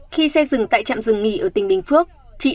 khi xe dừng tại trạm rừng nghỉ ở tỉnh bình phước